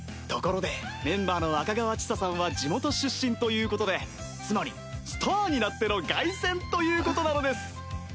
ところでメンバーの赤川千紗さんは地元出身ということでつまりスターになっての凱旋ということなのです。